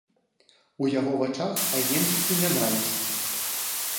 У яго вачах агеньчыкі нянавісці.